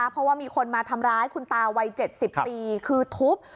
เพราะว่ามีคนมาทำร้ายคุณตาวัย๗๐ปีคือทุบ